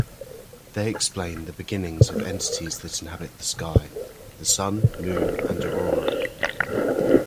They explain the beginnings of entities that inhabit the sky-the sun, moon, and aurora.